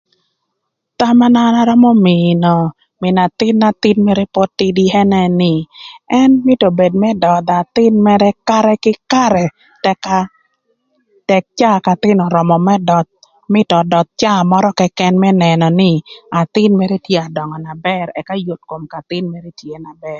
Thama na an arömö mïïnö mïn athïn na thïn mërë pod tïdï ënë nï, ën mïtö obed më dödhö athïn mërë karë kï karë tëk tëk caa k'athïn örömö më döth mïtö ödöth cak caa mörö këkën më nënö nï athïn mërë tye ka döngö na bër ëka yot kom k'athïn tye bër.